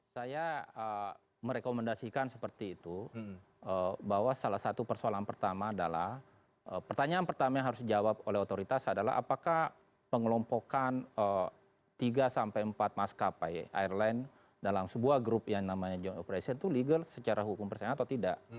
saya merekomendasikan seperti itu bahwa salah satu persoalan pertama adalah pertanyaan pertama yang harus dijawab oleh otoritas adalah apakah pengelompokan tiga sampai empat maskapai airline dalam sebuah grup yang namanya joint operation itu legal secara hukum persaingan atau tidak